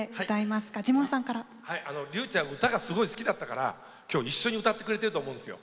竜ちゃん歌がすごい好きだったから今日一緒に歌ってくれてると思うんですよ。